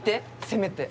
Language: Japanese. せめて。